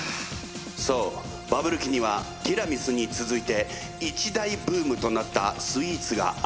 そうバブル期にはティラミスに続いて一大ブームとなったスイーツがあった。